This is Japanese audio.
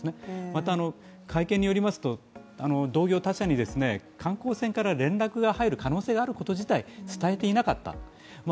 また、会見によりますと、同業他社に観光船から連絡が入る可能性があること自体、伝えていなかった。